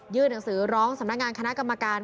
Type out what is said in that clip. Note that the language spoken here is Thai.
หนังสือร้องสำนักงานคณะกรรมการ